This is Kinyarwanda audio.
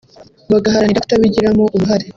bagaharanira kutabigiramo uruhare